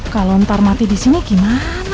kalau ntar mati di sini gimana